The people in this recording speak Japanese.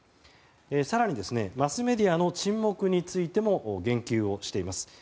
更にマスメディアの沈黙についても言及をしています。